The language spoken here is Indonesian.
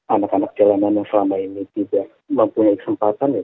anak anak jalanan yang selama ini tidak mempunyai kesempatan